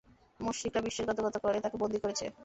মুশরিকরা বিশ্বাসঘাতকতা করে তাঁকে বন্দী করেছে।